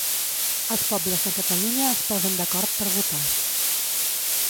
Els pobles de Catalunya es posen d'acord per votar.